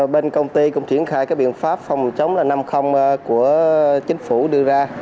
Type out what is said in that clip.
bên công ty cũng triển khai các biện pháp phòng chống là năm mươi của chính phủ đưa ra